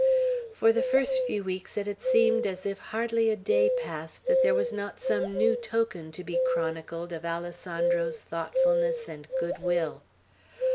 For the first few weeks it had seemed as if hardly a day passed that there was not some new token to be chronicled of Alessandro's thoughtfulness and good will.